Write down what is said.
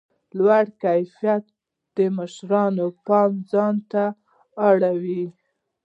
لوړ کیفیت د مشتری پام ځان ته رااړوي.